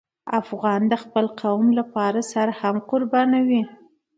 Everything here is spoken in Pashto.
افغان د خپل قوم لپاره سر هم قربانوي.